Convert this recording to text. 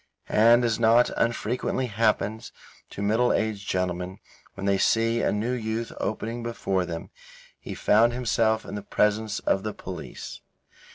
And as not unfrequently happens to middle aged gentlemen when they see a new youth opening before them, he found himself in the presence of the police.